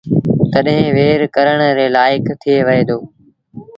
تڏهيݩ وهير ڪرڻ ري لآئيڪ ٿئي وهي دو